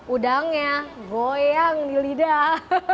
udangnya goyang di lidah